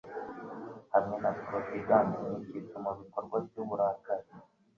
hamwe na Providence nkicyitso mubikorwa byuburakari